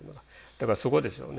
だからそこでしょうね。